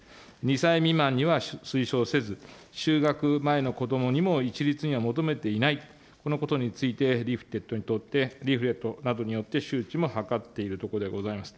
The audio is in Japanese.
２歳未満には推奨せず、就学前の子どもにも一律には求めていない、このことについて、リーフレットなどによって周知も図っているところでございます。